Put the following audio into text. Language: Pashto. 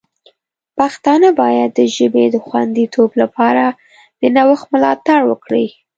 پښتانه باید د ژبې د خوندیتوب لپاره د نوښت ملاتړ وکړي.